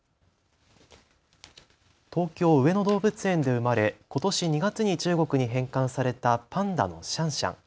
東京・上野動物園で生まれことし２月に中国に返還されたパンダのシャンシャン。